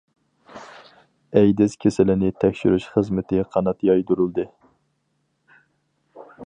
ئەيدىز كېسىلىنى تەكشۈرۈش خىزمىتى قانات يايدۇرۇلدى.